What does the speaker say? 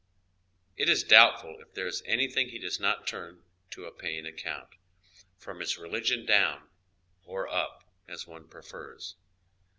It is doubt ful if there is anything he does not turn to a paying ac count, from his religion down, or up, as one prefers.